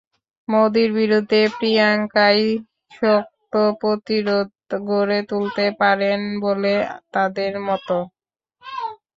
মোদির বিরুদ্ধে প্রিয়াঙ্কা-ই শক্ত প্রতিরোধ গড়ে তুলতে পারেন বলে তাদের মত।